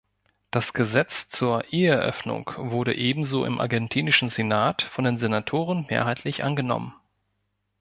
Das Gesetz zur Eheöffnung wurde ebenso im argentinischen Senat von den Senatoren mehrheitlich angenommen.